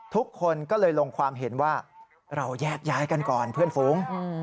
ทุกคนก็เลยลงความเห็นว่าเราแยกย้ายกันก่อนเพื่อนฝูง